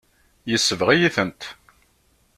Yesbeɣ-iyi-tent.